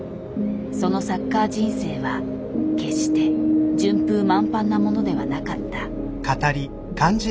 そのサッカー人生は決して順風満帆なものではなかった。